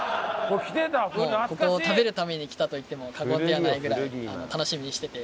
ここを食べるために来たと言っても過言ではないぐらい楽しみにしてて。